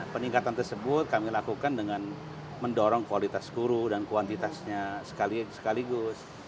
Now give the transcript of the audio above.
peningkatan tersebut kami lakukan dengan mendorong kualitas guru dan kuantitasnya sekaligus